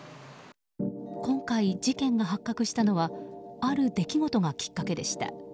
今回、事件が発覚したのはある出来事がきっかけでした。